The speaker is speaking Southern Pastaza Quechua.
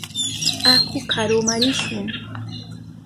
Aku karuma rishun.